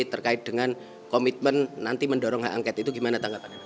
terkait dengan komitmen nanti mendorong hak angket itu gimana tanggapannya